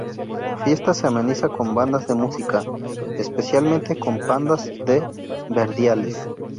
La fiesta se ameniza con bandas de música, especialmente con pandas de verdiales.